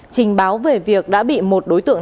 trình báo về việc đã bị một đối tượng